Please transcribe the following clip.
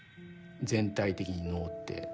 全体的に能って。